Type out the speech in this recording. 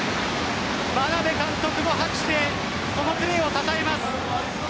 眞鍋監督も、拍手でこのプレーをたたえます。